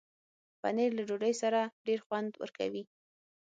پنېر له ډوډۍ سره ډېر خوند ورکوي.